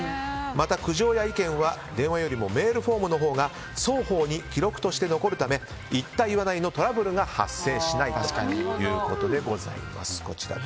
また苦情や意見は電話よりもメールフォームのほうが双方に記録として残るため言った言わないのトラブルが発生しないということでございます。